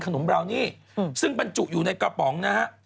ขนมบราวนี่ซึ่งบรรจุอยู่ในกระป๋องนะฮะ